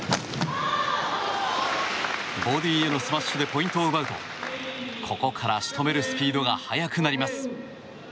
ボディーへのスマッシュでポイントを奪うとここから、仕留めるスピードが速くなります。